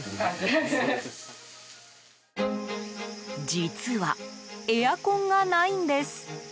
実はエアコンがないんです。